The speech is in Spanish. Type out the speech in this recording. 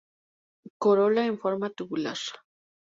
Corola en forma tubular.